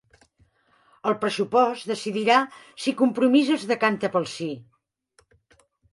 El pressupost decidirà si Compromís es decanta pel sí